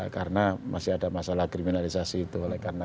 karena masih ada masalah kriminalisasi itu